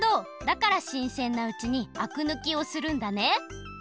だからしんせんなうちにあくぬきをするんだね。